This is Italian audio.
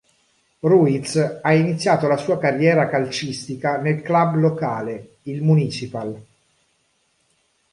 Ruiz ha iniziato la sua carriera calcistica nel club locale, il Municipal.